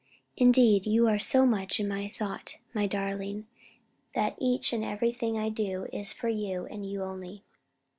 Indeed you are so much in my Thought, my Darling, that each and Everything I do is for You and You only.